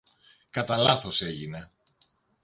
Κατά λάθος έγινε.